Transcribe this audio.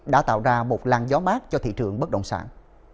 đã tạo ra một lan gió mát cho thị trường bất động sản